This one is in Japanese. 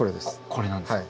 これなんですか？